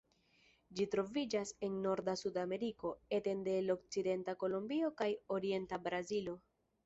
Ĝi troviĝas en norda Sudameriko, etende el okcidenta Kolombio kaj orienta Brazilo.